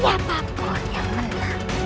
siapapun yang menang